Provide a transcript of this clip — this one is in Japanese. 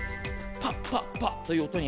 「パッパッパッ」という感じで。